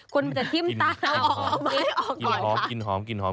คุณจะทิ้มตาเอาออกไหม